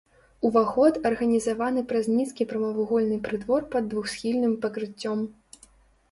Уваход арганізаваны праз нізкі прамавугольны прытвор пад двухсхільным пакрыццём.